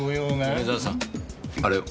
米沢さんあれを。